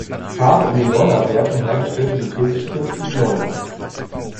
Farben in den Leunawerken hergestellte synthetische Benzin "Leuna".